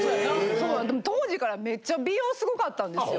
でも当時からめっちゃ美容すごかったんですよ